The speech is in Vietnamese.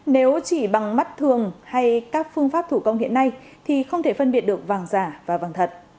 nếu chỉ bằng mắt thường hay các phương pháp thủ công hiện nay thì không thể phân biệt được vàng giả và vàng thật